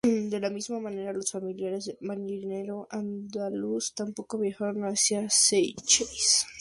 De la misma manera, los familiares del marinero andaluz tampoco viajaron hacia Seychelles.